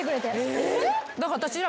だから私ら。